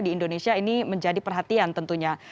di indonesia ini menjadi perhatian tentunya